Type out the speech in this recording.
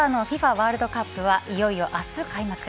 ワールドカップはいよいよ明日開幕。